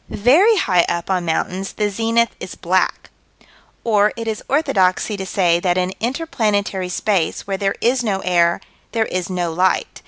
Very high up on mountains the zenith is black. Or it is orthodoxy to say that in inter planetary space, where there is no air, there is no light.